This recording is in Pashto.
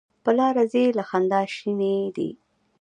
په لاره ځي له خندا شینې دي.